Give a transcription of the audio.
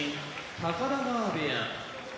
高田川部屋